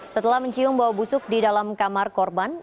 setelah mencium bau busuk di dalam kamar korban